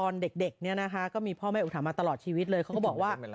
เราพวกเราช็อตแล้วค่ะ